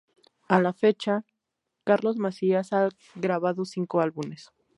A la fecha, Carlos Macías ha grabado cinco álbumes.